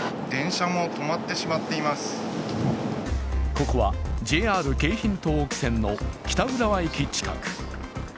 ここはＪＲ京浜東北線の北浦和駅近く。